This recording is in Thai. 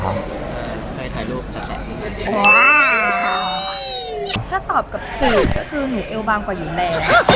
ใครถ่ายรูปแบบนี้ถ้าตอบกับสื่อคือหนูเอวบางกว่าอยู่แล้ว